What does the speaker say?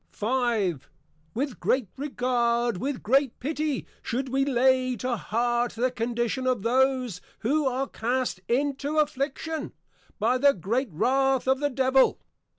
V. With Great Regard, with Great Pity, should we Lay to Heart the Condition of those, who are cast into Affliction, by the Great Wrath of the Devil.